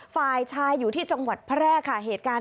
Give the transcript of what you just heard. ฝ่ายชายอยู่ที่จังหวัดพระแรกค่ะ